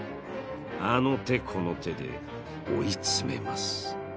あの手この手で追い詰めます